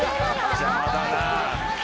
邪魔だな。